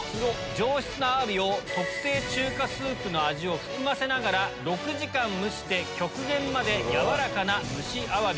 上質なアワビを特製中華スープの味を含ませながら６時間蒸して極限まで軟らかな蒸しアワビに。